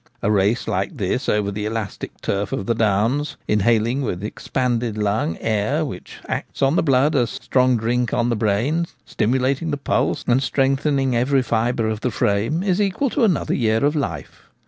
A race like this over the elastic turf of the downs, inhaling with expanded lungs air which acts on the blood as strong drink on the brain, stimulating the pulse, and strengthening every fibre of the frame, is equal to another year of life.